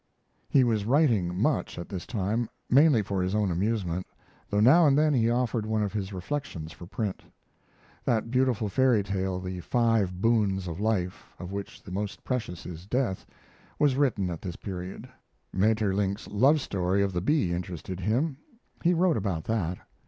He was writing much at this time, mainly for his own amusement, though now and then he offered one of his reflections for print. That beautiful fairy tale, "The Five Boons of Life," of which the most precious is "Death," was written at this period. Maeterlinck's lovely story of the bee interested him; he wrote about that.